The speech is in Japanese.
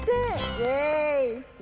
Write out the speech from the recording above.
イエーイ。